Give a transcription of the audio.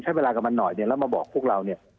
ใช้เวลากับมันหน่อยเนี่ยแล้วมาบอกพวกเราเนี่ย